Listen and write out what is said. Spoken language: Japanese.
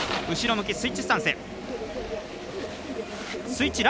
後ろ向き、スイッチスタンス。